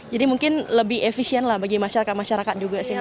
jadi mungkin lebih efisien lah bagi masyarakat masyarakat juga sih